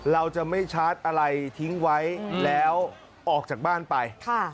เราจะไม่ชาร์จอะไรทิ้งไว้แล้วออกจากบ้านไป